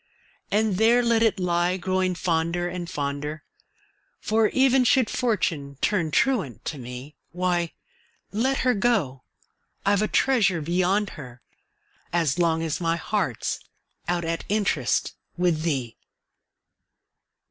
And there let it lie, growing fonder and, fonder For, even should Fortune turn truant to me, Why, let her go I've a treasure beyond her, As long as my heart's out at interest With thee!